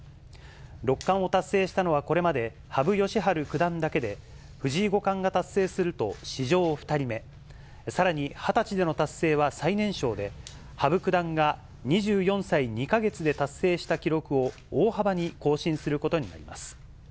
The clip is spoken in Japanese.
六冠を達成したのはこれまで羽生善治九段だけで、藤井五冠が達成すると史上２人目、さらに２０歳での達成は最年少で、羽生九段が２４歳２か月で達成した記録を、大幅に更新することになります。